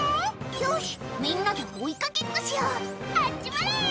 「よしみんなで追いかけっこしよう集まれ！」